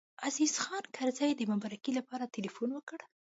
عزیز خان کرزی د مبارکۍ لپاره تیلفون وکړ.